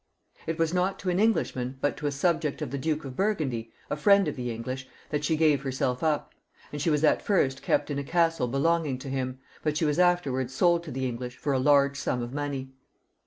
It was not to an Englishman, but to a subject of the Duke of Burgundy, a friend of the English, that she gave herself up, and she was at first kept in a castle belonging to him, but she was afterwards sold to the English for a large sum of money.